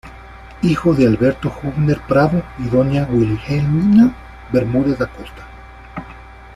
Hijo de "Alberto Hübner Prado" y doña "Wilhelmina Bermúdez Acosta".